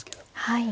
はい。